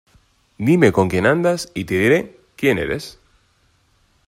Dime con quién andas y te diré quién eres.